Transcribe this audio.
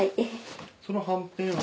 そのはんぺんは？